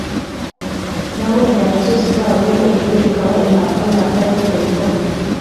Naho inyanja zose zaba wino ijuru rikaba impapuro ntacyaruta urwo rukundo